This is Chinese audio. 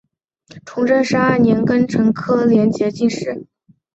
崇祯十二年庚辰科联捷进士。